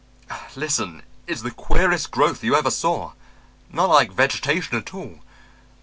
Listen. It's the queerest growth you ever saw. Not like vegetation at all.